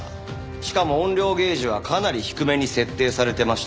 しかも音量ゲージはかなり低めに設定されてましたし。